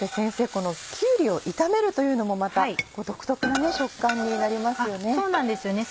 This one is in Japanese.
このきゅうりを炒めるというのもまた独特な食感になりますよね。